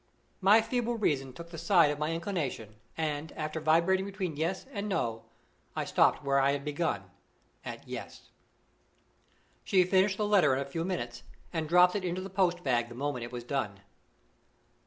My feeble reason took the side of my inclination; and, after vibrating between Yes and No, I stopped where I had begun at Yes. She finished the letter in a few minutes, and dropped it into the post bag the moment it was done.